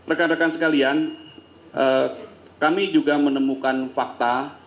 rekan rekan sekalian kami juga menemukan fakta